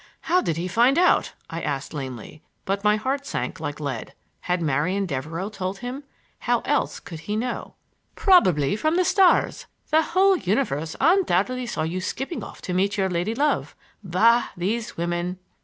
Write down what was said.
"How did he find out?" I asked lamely, but my heart sank like lead. Had Marian Devereux told him! How else could he know? "Probably from the stars,—the whole universe undoubtedly saw you skipping off to meet your lady love. Bah, these women!"